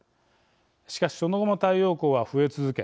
しかしその後も太陽光は増え続け